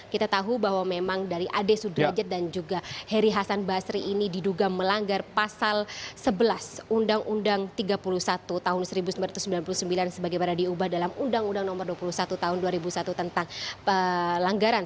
kita tahu bahwa memang dari ade sudrajat dan juga heri hasan basri ini diduga melanggar pasal sebelas undang undang tiga puluh satu tahun seribu sembilan ratus sembilan puluh sembilan sebagaimana diubah dalam undang undang nomor dua puluh satu tahun dua ribu satu tentang pelanggaran